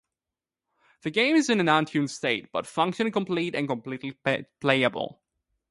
The game is in an untuned state, but functionally complete and completely playable.